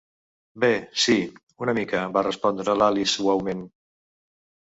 "Bé, sí, una mica", va respondre l'Alice suaument.